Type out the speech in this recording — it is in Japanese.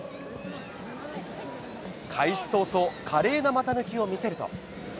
開始早々、華麗な股抜きを見せると。